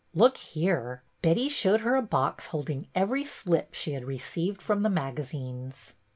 Look here." Betty showed her a box holding every slip she had received from the magazines.